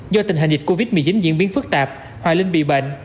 do tình hình dịch covid một mươi chín diễn biến phức tạp hòa linh bị bệnh